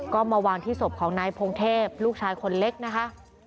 ก็มาวางที่ศพของนายพงเทพลูกชายคนเล็กนะคะ